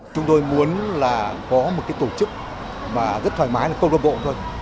chúng tôi muốn là có một tổ chức mà rất thoải mái là cộng đồng bộ thôi